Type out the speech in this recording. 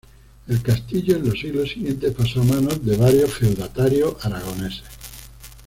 El castillo en los siglos siguientes pasó a manos de varios feudatarios aragoneses.